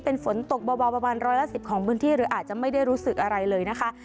เป็นฝนตกเบาประมาณร้อยละ๑๐ของพื้นที่หรืออาจจะไม่ได้รู้สึกอะไรเลยนะคะ